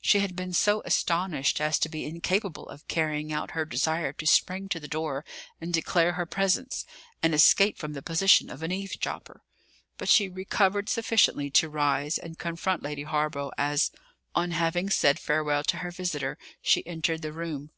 She had been so astonished as to be incapable of carrying out her desire to spring to the door and declare her presence, and escape from the position of an eavesdropper; but she recovered sufficiently to rise and confront Lady Hawborough as, on having said farewell to her visitor, she entered the room.